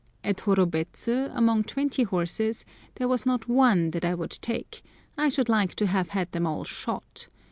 At Horobets, among twenty horses, there was not one that I would take,—I should like to have had them all shot.